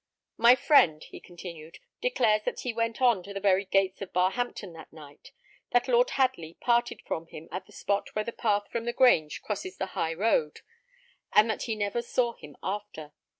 "My friend," he continued, "declares that he went on to the very gates of Barhampton that night; that Lord Hadley parted from him at the spot where the path from the Grange crosses the high road, and that he never saw him after.